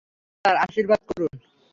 Father, আশীর্বাদ করুন।